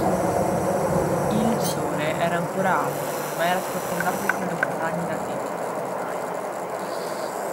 Il sole era ancora alto, ma era sprofondato dietro le montagne da tempo ormai.